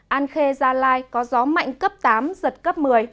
an khê gia lai có gió mạnh cấp tám giật cấp một mươi